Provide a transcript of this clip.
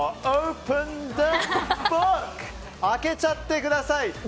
開けちゃってください！